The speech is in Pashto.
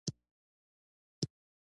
هنر د انسان د روح عسل دی چې را ټول شوی.